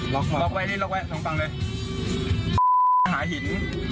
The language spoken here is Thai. ลองไว้ลองไว้สองตั้งเลยหาหิน